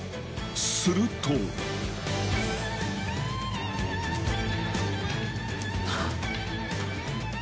するとはっ。